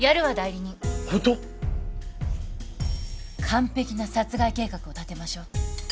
完璧な殺害計画を立てましょう。